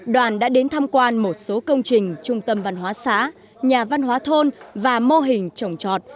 đoàn đã đến tham quan một số công trình trung tâm văn hóa xã nhà văn hóa thôn và mô hình trồng trọt